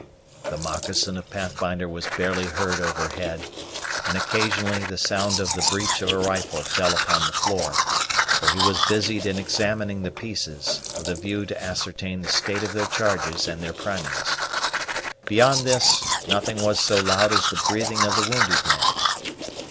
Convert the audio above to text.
The moccasin of Pathfinder was barely heard overhead, and occasionally the sound of the breech of a rifle fell upon the floor, for he was busied in examining the pieces, with a view to ascertain the state of their charges and their primings. Beyond this, nothing was so loud as the breathing of the wounded man.